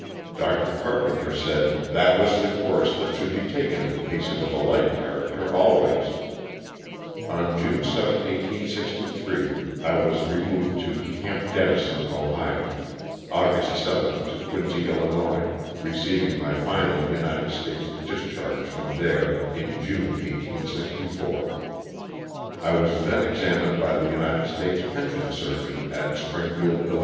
Dr. Carpenter said " that was the course that should be taken in cases of a like character always." On June 7, 1863, I was removed to ^' Camp Den nison,'' Ohio; August 7, to Quincy, 111., receiving my final United States discharge from there in June, 1864. I was then examined by the United States Pension Surgeon at Springfield, 111.